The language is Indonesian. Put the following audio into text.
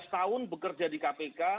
lima belas tahun bekerja di kpk